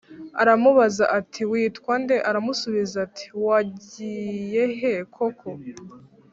Aramubaza ati Witwa nde Aramusubiza ati wagiyehe koko